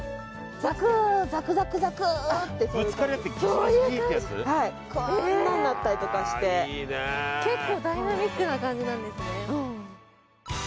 そういう感じはいこんなんなったりとかして結構ダイナミックな感じなんですね